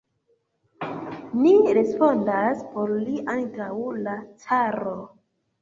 Ni respondas por li antaŭ la caro.